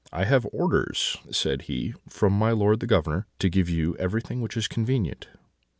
"'I have orders,' said he, 'from my lord the Governor, to give you everything which is convenient.'